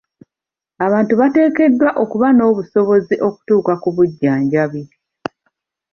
Abantu bateekeddwa okuba n'obusobozi okutuuka ku bujjanjabi.